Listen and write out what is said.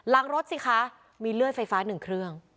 ล้างรถสิคะมีเลือดไฟฟ้า๑เครื่อง